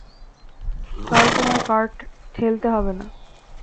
কাল তোমায় কার্ট ঠেলতে হবে না।